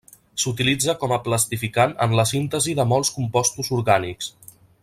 S'utilitza com a plastificant en la síntesi de molts compostos orgànics.